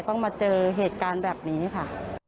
ต้องมาเจอเหตุการณ์แบบนี้ค่ะ